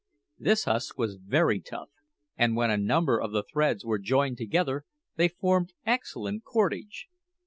This husk was very tough, and when a number of the threads were joined together they formed excellent cordage.